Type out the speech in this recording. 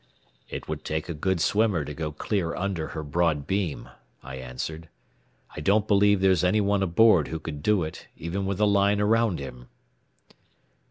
"It would take a good swimmer to go clear under her broad beam," I answered. "I don't believe there's any one aboard who could do it, even with a line around him."